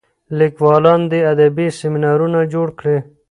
لیکوالان دي ادبي سیمینارونه جوړ کړي.